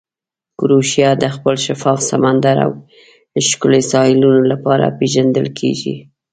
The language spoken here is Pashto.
کروشیا د خپل شفاف سمندر او ښکلې ساحلونو لپاره پېژندل کیږي.